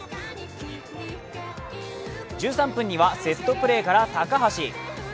１３分にはセットプレーから高橋。